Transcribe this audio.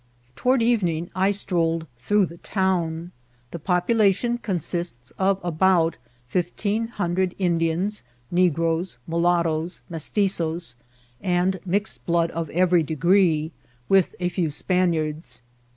Toward evening I strolled through the town. The population consists of about fifteen hundred Indians, negroes, mulattoes, Mestitzoes, and mixed blood of every degree, with a few Spaniards.